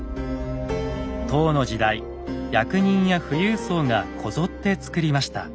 唐の時代役人や富裕層がこぞってつくりました。